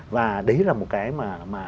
và đấy là một cái mà